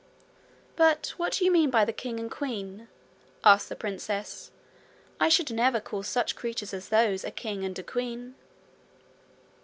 'But what do you mean by the king and queen?' asked the princess. 'I should never call such creatures as those a king and a queen.'